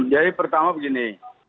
jadi pertama begini